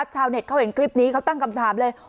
ชาวเน็ตเขาเห็นคลิปนี้เขาตั้งคำถามเลย